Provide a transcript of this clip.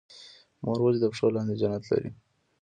مور ولې د پښو لاندې جنت لري؟